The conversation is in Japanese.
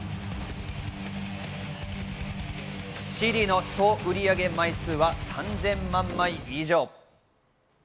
ＣＤの総売上枚数は３０００万枚以上。